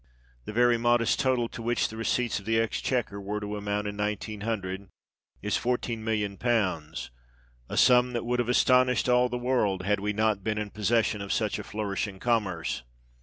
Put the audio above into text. The very modest total to which the receipts of the exchequer were to amount in 1900 is 14,000,000 "a sum that would have astonished all the world, had we not been in possession of such a flourishing commerce."